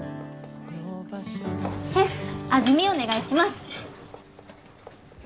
シェフ味見お願いします。